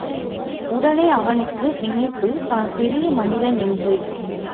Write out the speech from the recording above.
உடனே அவனுக்கு நினைப்பு, தான் பெரிய மனிதன் என்று!